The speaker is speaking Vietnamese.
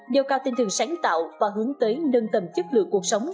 nêu cao tinh thường sáng tạo và hướng tới nâng tầm chất lượng cuộc sống